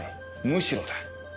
むしろだ。